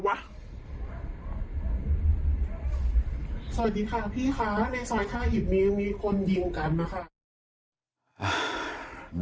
สวัสดีค่ะพี่คะในซอยท่าหยิบนี้มีคนยิงกันนะคะ